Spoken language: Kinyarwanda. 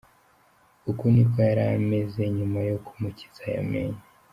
Uku niko yari ameze nyuma yo kumukiza aya menyo.